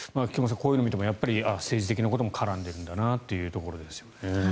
こういうのを見ても政治的なことも絡んでいるんだなというところですよね。